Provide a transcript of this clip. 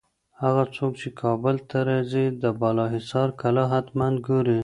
هغه څوک چي کابل ته راځي، د بالاحصار کلا حتماً ګوري.